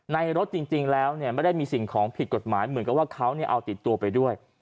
รถจริงแล้วไม่ได้มีสิ่งของผิดกฎหมายเหมือนกับว่าเขาเอาติดตัวไปด้วย